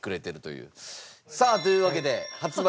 さあというわけで発売